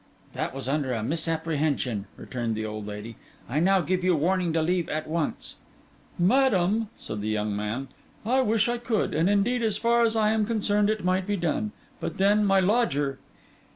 'That was under a misapprehension,' returned the old lady. 'I now give you warning to leave at once.' 'Madam,' said the young man, 'I wish I could; and indeed, as far as I am concerned, it might be done. But then, my lodger!